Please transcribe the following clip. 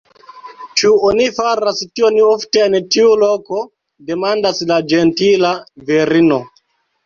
“Ĉu oni faras tion ofte en tiu loko?” demandas la ĝentila virino.